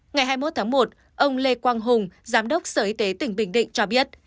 ngày hai mươi một tháng một ông lê quang hùng giám đốc sở y tế tỉnh bình định cho biết